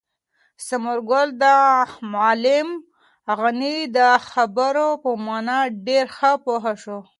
ثمر ګل د معلم غني د خبرو په مانا ډېر ښه پوه شو.